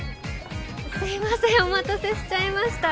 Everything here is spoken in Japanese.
すいませんお待たせしちゃいました。